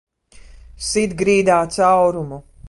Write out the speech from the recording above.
Sit grīdā caurumu!